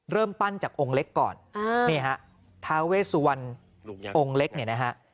เริ่มปั้นจากองค์เล็กก่อนนี่ฮะทาเวสุวรรณองค์เล็กเนี่ยนะฮะ